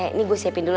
ini gue siapin dulu